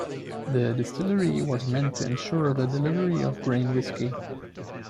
The distillery was meant to ensure the delivery of grain whisky.